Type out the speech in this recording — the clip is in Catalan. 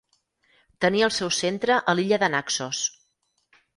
Tenia el seu centre a l'illa de Naxos.